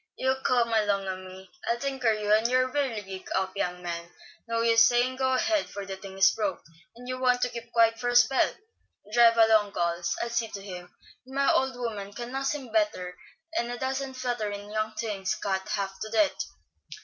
"You come along a me. I'll tinker you and your whirligig up, young man. No use sayin' go ahead, for the thing is broke, and you want to keep quiet for a spell. Drive along, gals, I'll see to him; and my old woman can nuss him better 'n a dozen flutterin' young things scat half to death."